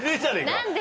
何で？